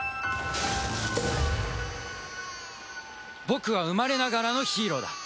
僕は生まれながらのヒーローだ